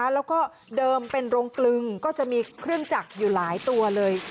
แล้วก็เดิมเป็นโรงกลึงก็จะมีเครื่องจักรอยู่หลายตัวเลย